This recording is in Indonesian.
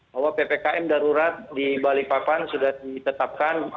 bahwa ppkm darurat di balikpapan sudah ditetapkan